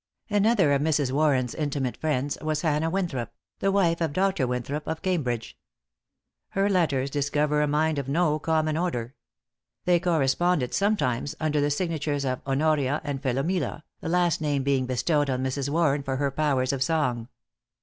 Another of Mrs. Warren's intimate friends, was Hannah Winthrop, the wife of Dr. Winthrop, of Cambridge. Her letters discover a mind of no common order. They corresponded sometimes under the signatures of Honoria and Philomela, the last name being bestowed on Mrs. Warren for her powers of song.